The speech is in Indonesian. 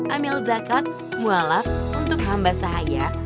amil zakat muhalaf untuk hamba sahaya